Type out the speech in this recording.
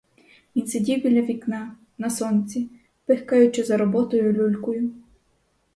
Він сидів біля вікна, на сонці, пихкаючи за роботою люлькою.